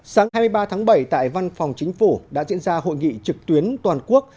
sáng hai mươi ba tháng bảy tại văn phòng chính phủ đã diễn ra hội nghị trực tuyến toàn quốc